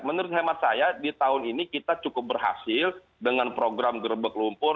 menurut hemat saya di tahun ini kita cukup berhasil dengan program gerbek lumpur